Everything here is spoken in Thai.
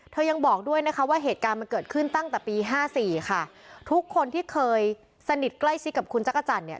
ยังบอกด้วยนะคะว่าเหตุการณ์มันเกิดขึ้นตั้งแต่ปีห้าสี่ค่ะทุกคนที่เคยสนิทใกล้ชิดกับคุณจักรจันทร์เนี่ย